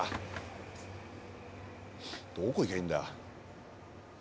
どこ行きゃいいんだ？